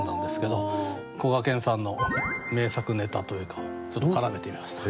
どこがけんさんの名作ネタというかちょっと絡めてみました。